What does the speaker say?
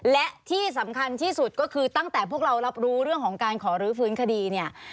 และที่สำคัญที่สุดก็คือตั้งแต่พวกเรารับรู้เรื่องของการขอรื้อฟื้นคดีเนี่ย